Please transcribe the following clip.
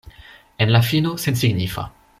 En la fino, sensignifa.